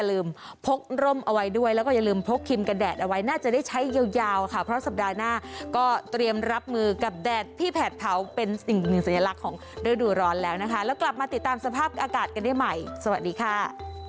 ดูร้อนแล้วนะคะแล้วกลับมาติดตามสภาพอากาศกันใหม่สวัสดีค่ะ